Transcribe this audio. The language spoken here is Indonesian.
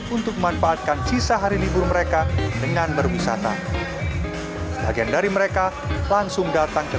untuk memanfaatkan sisa hari libur mereka dengan berwisata sebagian dari mereka langsung datang ke